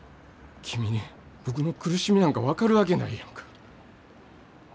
君に僕の苦しみなんか分かるわけないやんか。